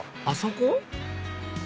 あそこ？